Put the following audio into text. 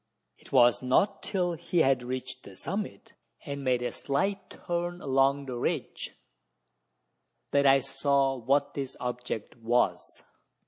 It was not till he had reached the summit, and made a slight turn along the ridge, that I saw what this object was.